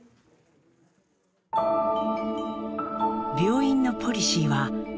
病院のポリシーはう！